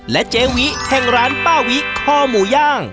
และเจวิแห่งร้านป้าวิคอหมูย่าง